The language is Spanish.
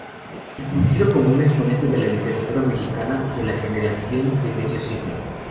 Reconocido como un exponente de la literatura mexicana de la "Generación de Medio Siglo".